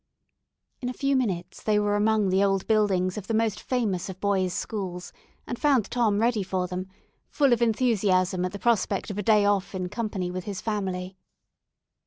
In a few minutes they were among the old buildings of the most famous of boys' schools, and found Tom ready for them, full of enthusiasm at the prospect of a day off in company with his family.